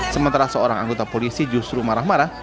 sementara seorang anggota polisi justru marah marah